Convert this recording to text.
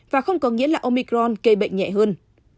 và không có nghĩa là omicron gây bệnh nhẹ hơn